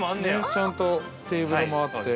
◆ちゃんとテーブルもあって。